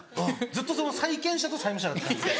ずっと債権者と債務者だったんで。